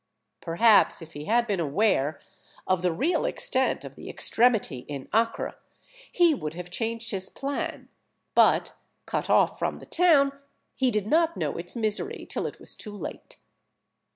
Perhaps if he had been aware of the real extent of the extremity in Acre, he would have changed his plan; but, cut off from the town, he did not know its misery till it was too late.